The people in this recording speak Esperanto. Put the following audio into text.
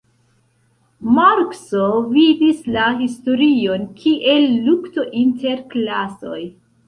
Markso vidis la historion kiel lukto inter klasoj.